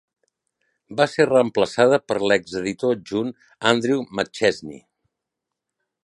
Va ser reemplaçada per l'exeditor adjunt Andrew McChesney.